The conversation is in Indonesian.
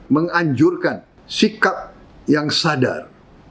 menganjurkan sikap yang sadar